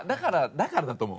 だからだと思う。